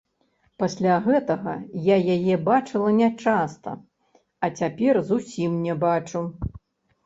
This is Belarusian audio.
Пасля гэтага я яе бачыла нячаста, а цяпер зусім не пабачу.